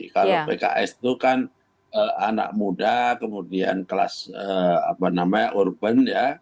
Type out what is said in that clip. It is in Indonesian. kalau pks itu kan anak muda kemudian kelas urban ya